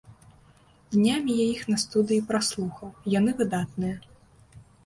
Днямі я іх на студыі праслухаў, яны выдатныя.